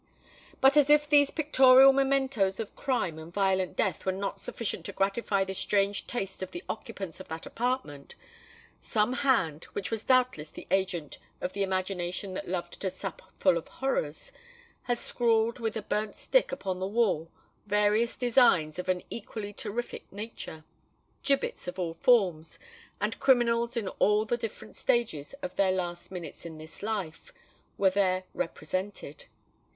But as if these pictorial mementos of crime and violent death were not sufficient to gratify the strange taste of the occupants of that apartment, some hand, which was doubtless the agent of an imagination that loved to "sup full of horrors," had scrawled with a burnt stick upon the wall various designs of an equally terrific nature. Gibbets of all forms, and criminals in all the different stages of their last minutes in this life, were there represented.